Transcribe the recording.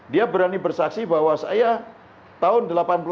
dia berani bersaksi bahwa saya tahun seribu sembilan ratus delapan puluh tujuh